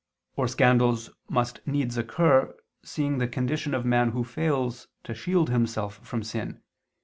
Or scandals must needs occur, seeing the condition of man who fails to shield himself from sin.